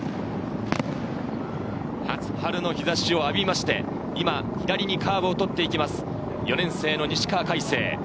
初春の日差しを浴びまして今、左にカーブを取っていきます、４年生の西川魁星。